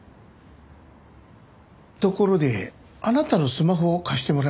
ところであなたのスマホを貸してもらえませんか？